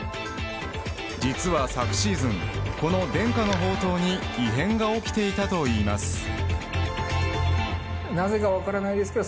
実は昨シーズンこの伝家の宝刀に異変が起きていたといいます。